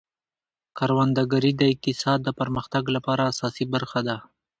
کروندګري د اقتصاد د پرمختګ لپاره اساسي برخه ده.